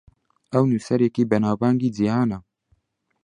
ئەو نووسەرێکی بەناوبانگی جیهانە.